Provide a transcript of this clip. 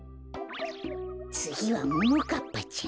つぎはももかっぱちゃん。